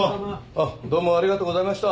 あっどうもありがとうございました。